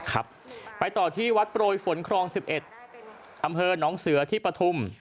ครับไปต่อที่วัดโปรยฝนครอง๑๑อำเภอน้องเสือที่ปฐุม